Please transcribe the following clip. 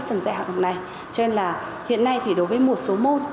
phần dạy học hôm nay cho nên là hiện nay thì đối với một số môn